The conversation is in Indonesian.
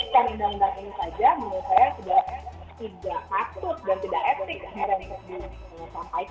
kan sembilan hakim itu